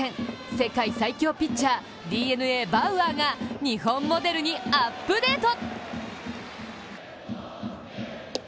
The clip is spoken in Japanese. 世界最強ピッチャー、ＤｅＮＡ・バウアーが日本モデルにアップデート！